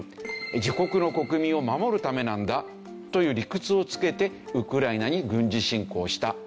自国の国民を守るためなんだという理屈をつけてウクライナに軍事侵攻したというわけですね。